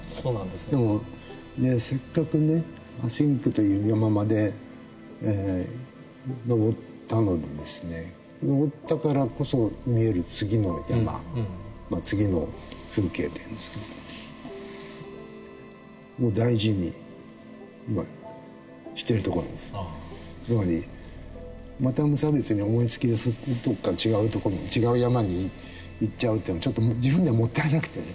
でもせっかくね「ａｓｙｎｃ」という山まで登ったのでですね登ったからこそ見えるつまりまた無差別に思いつきでどっか違うとこに違う山に行っちゃうっていうのもちょっと自分ではもったいなくてね。